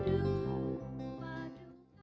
di broto jakarta